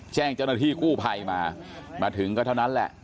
แจ้งเจ้าหน้าที่กู้ภัยมามาถึงก็เท่านั้นแหละ